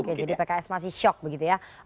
oke jadi pks masih shock begitu ya